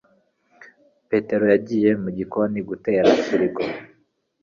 Petero yagiye mu gikoni gutera firigo